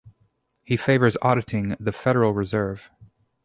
He favors auditing the Federal Reserve.